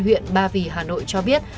huyện ba vì hà nội cho biết